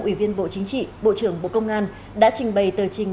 ủy viên bộ chính trị bộ trưởng bộ công an đã trình bày tờ trình